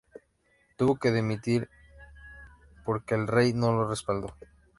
Tuvo que dimitir porque el rey no lo respaldó.